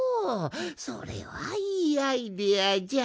それはいいアイデアじゃ！